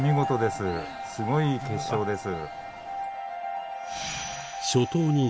すごい結晶です。